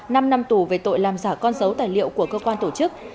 năm năm tù về tội làm giả con dấu tài liệu của cơ quan tổ chức